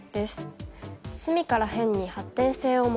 隅から辺に発展性を求め